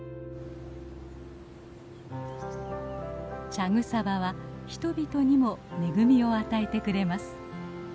茶草場は人々にも恵みを与えてくれます。